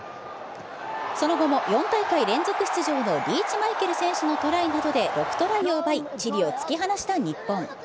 その後も、４大会連続出場のリーチマイケル選手のトライなどで６トライを奪い、チリを突き放した日本。